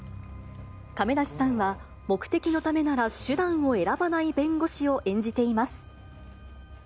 亀梨さんは、目的のためなら手段を選ばない弁護士を演じています。